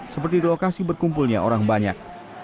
seperti lokasi berkumpulnya orang banyak